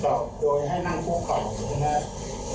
เขาก็ได้ทดสอบโดยให้นั่งคู่เข่านะครับ